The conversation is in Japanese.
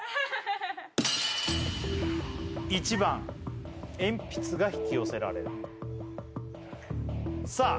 １番鉛筆が引き寄せられるさあ